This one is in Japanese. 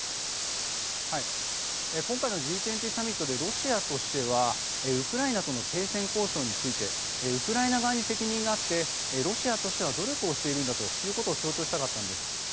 今回のＧ２０サミットでロシアとしてはウクライナとの停戦交渉についてウクライナ側に責任があってロシアとしては努力をしているんだということを強調したかったんです。